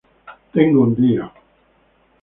Tengo un día.